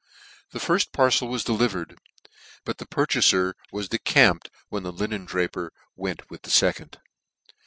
The firft parcel was delivered ; but the purchafer was decamped when the linen draper went with the fecond.